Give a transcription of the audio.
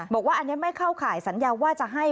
บอกว่าอันนี้ไม่เข้าข่ายสัญญาว่าจะให้